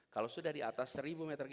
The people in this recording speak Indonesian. kalau sudah di atas seribu m tiga per detik